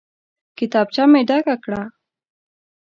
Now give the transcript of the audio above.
کتابچه مې ډکه کړه.